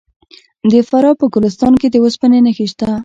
د فراه په ګلستان کې د وسپنې نښې شته.